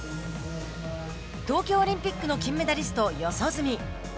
東京オリンピックの金メダリスト、四十住。